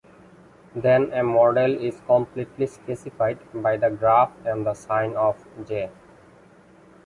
Then a model is completely specified by the graph and the sign of J.